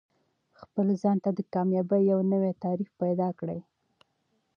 خپل ځان ته د کامیابۍ یو نوی تعریف پیدا کړه.